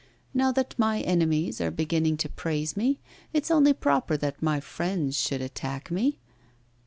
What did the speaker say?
'Now that my enemies are beginning to praise me, it's only proper that my friends should attack me.